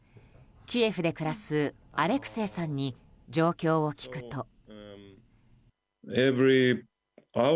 キエフで暮らすアレクセイさんに状況を聞くと。